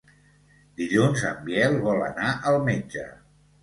Dilluns en Biel vol anar al metge.